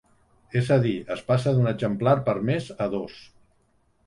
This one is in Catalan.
És a dir, es passa d'un exemplar per mes a dos.